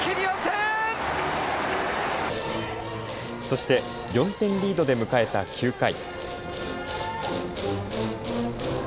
そして４点リードで迎えた９回。